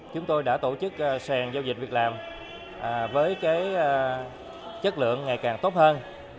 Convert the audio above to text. chúng tôi đã tổ chức sàn giao dịch việc làm với chất lượng ngày càng tốt hơn